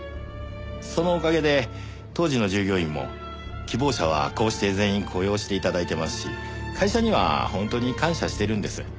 そのおかげで当時の従業員も希望者はこうして全員雇用して頂いてますし会社には本当に感謝してるんです。